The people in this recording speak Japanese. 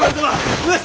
上様！